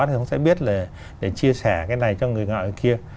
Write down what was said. thì không sẽ biết để chia sẻ cái này cho người ngoại kia